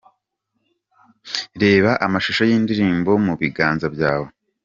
Reba amashusho y'indirimbo 'Mu biganza byawe'.